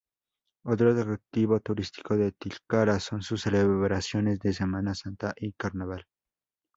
Otro atractivo turístico de Tilcara son sus celebraciones de Semana Santa y carnaval.